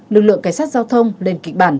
lực lượng cảnh sát giao thông lên kịch bản